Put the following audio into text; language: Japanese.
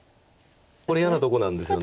これ嫌なとこなんですよね。